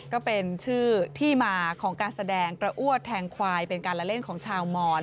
ก็เป็นชื่อที่มาของการแสดงกระอ้วดแทงควายเป็นการละเล่นของชาวมอน